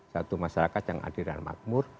satu masyarakat yang adil dan makmur